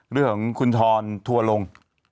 เรื่องของคุณทอนถั่วลง